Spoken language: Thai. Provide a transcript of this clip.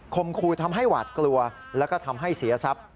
คมครูทำให้หวาดกลัวแล้วก็ทำให้เสียทรัพย์